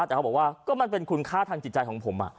แต่เขาบอกว่าก็มันเป็นคุณค่าทางจิตใจของผม